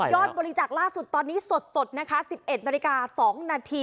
บริจาคล่าสุดตอนนี้สดนะคะ๑๑นาฬิกา๒นาที